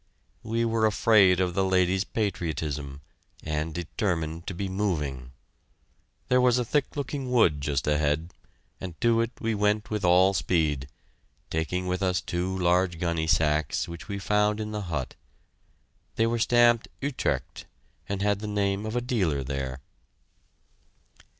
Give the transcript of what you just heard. We were afraid of the lady's patriotism, and determined to be moving. There was a thick looking wood just ahead, and to it we went with all speed, taking with us two large gunnysacks which we found in the hut. They were stamped "Utrecht" and had the name of a dealer there.